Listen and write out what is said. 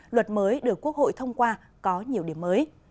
luật mới được quốc hội thông qua có nhiều điểm mới